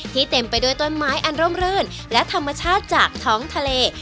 เต็มไปด้วยต้นไม้อันร่มรื่นและธรรมชาติจากท้องทะเล